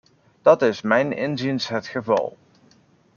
Dat is mijns inziens het geval.